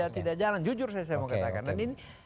tidak jalan jujur saya mau katakan